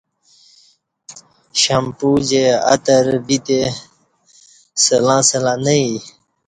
شمپو جے عطر ویتہ سلں سلں نہ یی